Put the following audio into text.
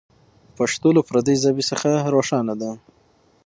پښتو له پردۍ ژبې څخه روښانه ده.